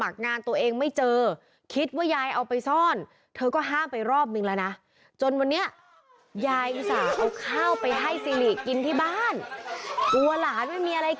เดี๋ยวเธอทำให้ได้นะครับ